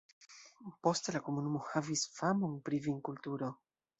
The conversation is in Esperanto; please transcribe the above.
Poste la komunumo havis famon pri vinkulturo.